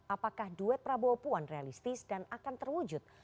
apakah duet prabowo puan realistis dan akan terwujud